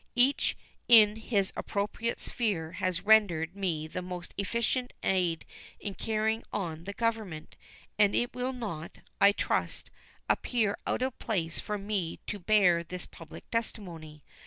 Each in his appropriate sphere has rendered me the most efficient aid in carrying on the Government, and it will not, I trust, appear out of place for me to bear this public testimony.